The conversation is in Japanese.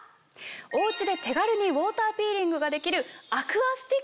お家で手軽にウォーターピーリングができる。